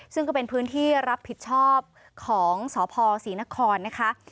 ซึ่งก็เป็นพื้นที่รับผิดชอบของสพศรีนครนะคะ